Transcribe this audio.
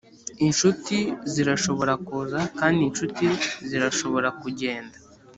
inshuti zirashobora kuza, kandi inshuti zirashobora kugenda.